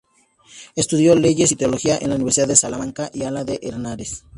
Estudió Leyes y Teología en las Universidades de Salamanca y Alcalá de Henares.